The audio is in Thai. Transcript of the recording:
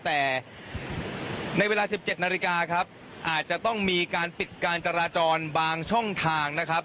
แต่ในเวลา๑๗นาฬิกาครับอาจจะต้องมีการปิดการจราจรบางช่องทางนะครับ